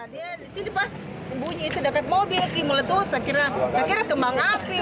disini pas bunyi itu dekat mobil meletus saya kira kembang api